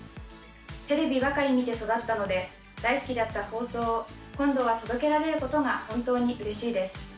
テレビばかり見て育ったので大好きだった放送を今度は届けられることが本当にうれしいです。